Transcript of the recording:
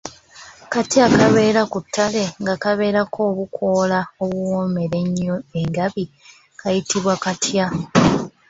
Kati akabeera ku ttale nga kabeerako obukoola obuwoomera ennyo engabi, kayitibwa katya?